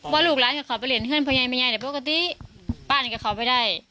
เป็นอะไรอาทิตยาจะโทรงติด